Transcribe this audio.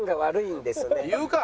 言うか！